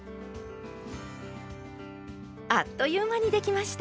あっという間にできました。